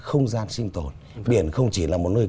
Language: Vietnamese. không gian sinh tồn biển không chỉ là một nơi